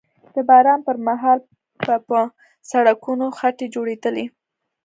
د باران پر مهال به په سړکونو خټې جوړېدلې